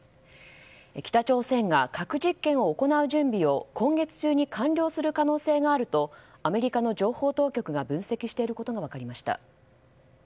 北朝鮮が核実験を行う準備を今月中に完了する可能性があるとアメリカの情報当局が分析していることが分かりました。